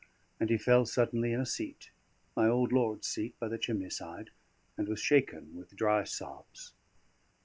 And he fell suddenly in a seat my old lord's seat by the chimney side and was shaken with dry sobs.